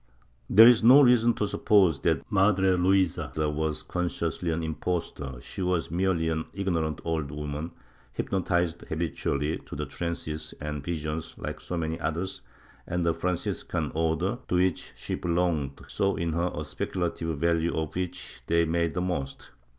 There is no reason to suppose that Madre Luisa was consciously an impostor; she was merely an ignorant old woman, hypnotically habituated to trances and visions like so many others, and the Franciscan Order, to which she belonged, saw in her a speculative value of which they made the most.